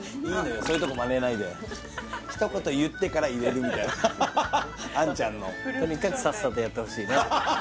そういうとこマネないで一言言ってから入れるみたいな杏ちゃんのとにかくさっさとやってほしいね